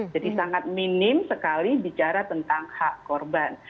jadi sangat minim sekali bicara tentang hak korban